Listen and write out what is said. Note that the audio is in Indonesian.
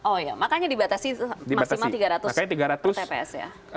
oh ya makanya dibatasi maksimal tiga ratus tps ya